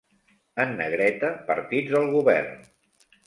En negreta, partits al govern.